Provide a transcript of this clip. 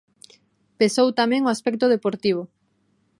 Pesou tamén o aspecto deportivo.